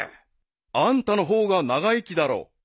［あんたの方が長生きだろ］